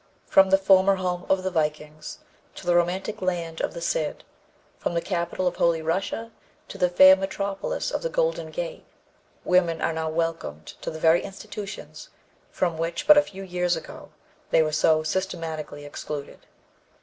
From the former home of the Vikings to the romantic land of the Cid, from the capital of Holy Russia to the fair metropolis of the Golden Gate, women are now welcomed to the very institutions from which but a few years ago they were so systematically excluded.